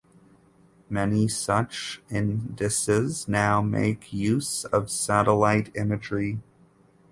Many such indices now make use of satellite imagery.